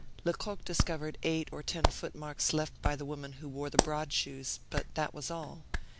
Lecoq discovered eight or ten footmarks left by the woman who wore the broad shoes, but that was all.